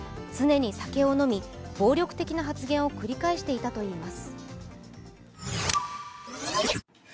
常に酒を飲み、暴力的な発言を繰り返していたといいます。